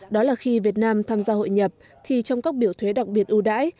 đó là khi việt nam tham gia hội nhập thì trong các biểu thuế đặc biệt ưu đãi